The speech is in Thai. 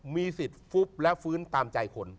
มีสิทธิ์ฟุบและฟื้นตามใจคน